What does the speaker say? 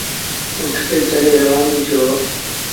اُٺ تي چڙهي روآݩو ٿيٚو۔